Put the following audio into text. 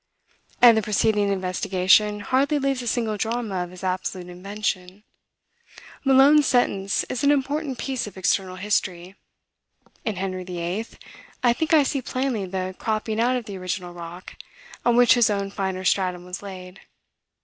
And the preceding investigation hardly leaves a single drama of his absolute invention. Malone's sentence is an important piece of external history. In Henry VIII., I think I see plainly the cropping out of the original rock on which his own finer stratum was laid.